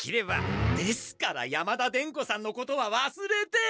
ですから山田伝子さんのことはわすれて。